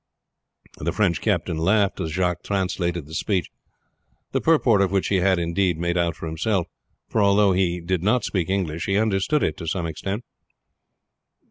The French captain laughed as Jacques translated the speech, the purport of which he had, indeed, made out for himself, for although he did not speak English he understood it to some extent.